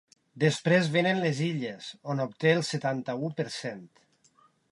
Després vénen les Illes, on obté el setanta-u per cent.